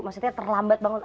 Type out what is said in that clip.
maksudnya terlambat bangun